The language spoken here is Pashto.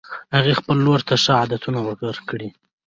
هغې خپلې لور ته ښه عادتونه ورکړي